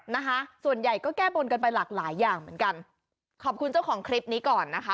นะคะส่วนใหญ่ก็แก้บนกันไปหลากหลายอย่างเหมือนกันขอบคุณเจ้าของคลิปนี้ก่อนนะคะ